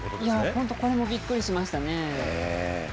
本当、これもびっくりしましたね。